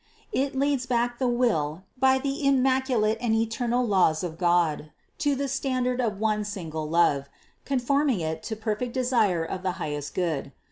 It leads back the will by the immaculate and eternal laws of God to the standard of one single love, conforming it to perfect desire of the highest Good.